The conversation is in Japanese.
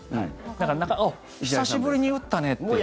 だから久しぶりに打ったねっていう。